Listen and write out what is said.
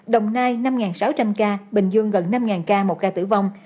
đồng nai năm sáu trăm linh ca bình dương gần năm ca một ca tử vong